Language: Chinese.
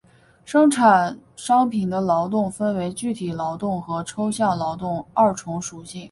生产商品的劳动分为具体劳动和抽象劳动二重属性。